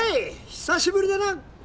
久しぶりだな。